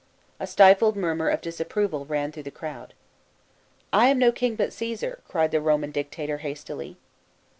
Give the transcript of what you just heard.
A stifled murmur of dis approval ran through the crowd. " I am no king, but Caesar," cried the Homan Dictator hastily.